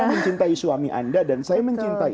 saya mencintai suami anda dan saya mencintai